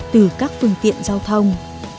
từ các phương tiện giao thông